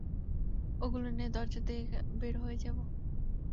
ওগুলো নিয়ে দরজা দিয়ে বের হয়ে যাবো!